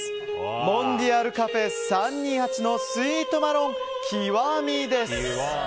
モンディアルカフェ３２８のスイートマロン粋です。